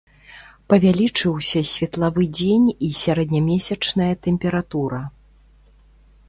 Павялічыўся светлавы дзень і сярэднямесячная тэмпература.